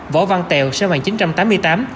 võ văn tèo sinh năm một nghìn chín trăm tám mươi tám